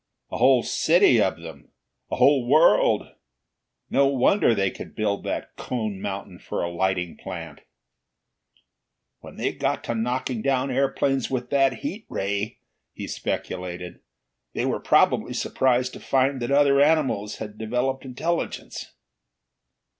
"A whole city of them! A whole world! No wonder they could build that cone mountain for a lighting plant!" "When they got to knocking down airplanes with that heat ray," he speculated, "they were probably surprised to find that other animals had developed intelligence."